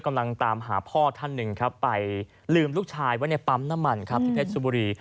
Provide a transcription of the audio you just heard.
กำลังตามหาพ่อท่านหนึ่งครับไปลืมลูกชายไว้ในปั๊มน้ำมันครับที่เพชรชบุรี